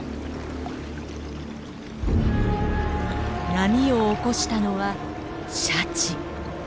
波を起こしたのはシャチ。